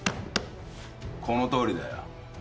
このとおりだよ。